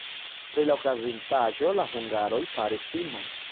Pri la okazintaĵo la hungaroj faris filmon.